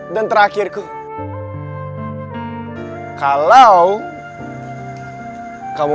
dan bisa mencintai kamu